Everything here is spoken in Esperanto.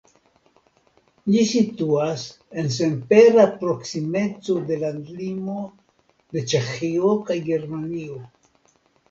Ĝi situas en senpera proksimeco de landlimo de Ĉeĥio kaj Germanio.